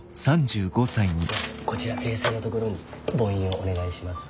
こちら訂正のところにぼ印をお願いします。